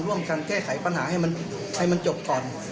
ร่วมกันแก้ไขปัญหาให้มันให้มันจบก่อน